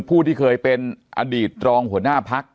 ผู้ที่เคยเป็นอดีตรองหัวหน้าพัก